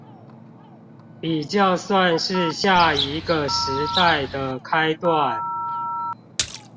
比較算是下一個時代的開段